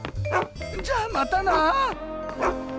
じゃあまたな。